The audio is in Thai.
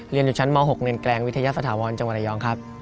เรียนอยู่ชั้นม๖เหนือนแกรงวิทยาสถาวรณ์จังหวัดไอยองครับ